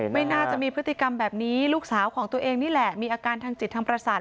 ไม่น่าจะมีพฤติกรรมแบบนี้ลูกสาวของตัวเองนี่แหละมีอาการทางจิตทางประสาท